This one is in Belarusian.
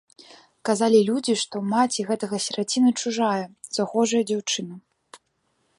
Казалі людзі, што маці гэтага сіраціны чужая, захожая дзяўчына.